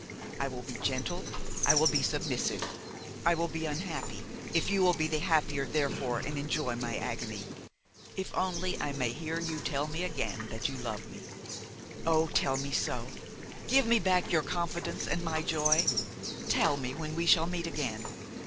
I will be gentle, I will be submissive, I will be unhappy,–if you will be the happier therefor and enjoy my agony,–if only I may hear you tell me again that you love me! Oh! tell me so! give me back your confidence and my joy! tell me when we shall meet again.